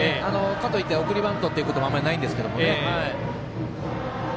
かといって送りバントもあんまりないんですけどね。